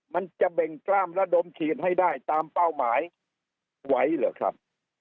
มันจะเบ่งกล้ามระดมฉีดให้ได้ตามเป้าหมายไหวเหรอครับ